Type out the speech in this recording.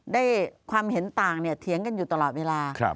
ได้ความเห็นต่างเถียงกันอยู่ตลอดเวลา